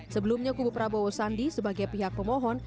sebelumnya kubu prabowo sandi sebagai pihak pemohon